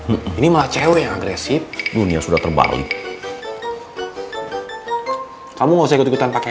ini mau yang agresif kum ini malah cewek agresif dunia sudah terbalik kamu nggak usah ikutan pakai